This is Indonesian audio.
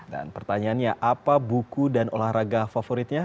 dan pertanyaannya apa buku dan olahraga favoritnya